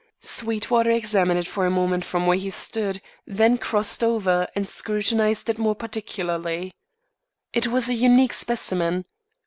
Sweetwater examined it for a moment from where he stood; then crossed over, and scrutinised it more particularly. It was a unique specimen.